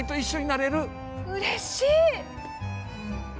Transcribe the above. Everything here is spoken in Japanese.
うれしい！